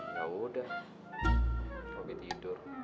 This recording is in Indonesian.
ya udah robby tidur